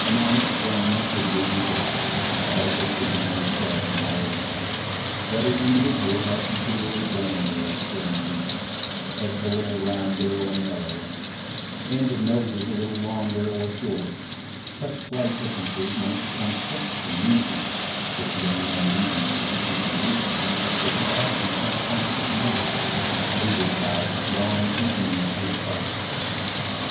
An unexplained residuum is left, about which we can only say, in our ignorance, that as individuals are continually born with, for instance, heads a little rounder or narrower, and with noses a little longer or shorter, such slight differences might become fixed and uniform, if the unknown agencies which induced them were to act in a more constant manner, aided by long continued intercrossing.